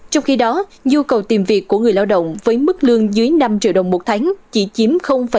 trong khi đó nhu cầu tìm việc của người lao động với mức lương dưới năm triệu đồng một tháng chỉ chiếm một mươi